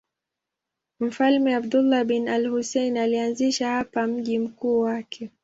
Mfalme Abdullah bin al-Husayn alianzisha hapa mji mkuu wake.